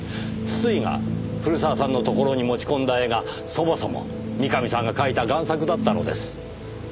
筒井が古澤さんのところに持ち込んだ絵がそもそも三上さんが描いた贋作だったのです。